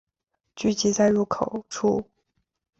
聚集在入口处